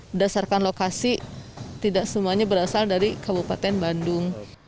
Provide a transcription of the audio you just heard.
berdasarkan lokasi tidak semuanya berasal dari kabupaten bandung